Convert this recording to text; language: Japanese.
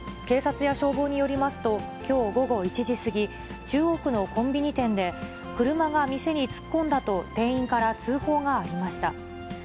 警察や消防によりますと、きょう午後１時過ぎ、中央区のコンビニ店で、車が店に突っ込んだと、店員から通報がありました。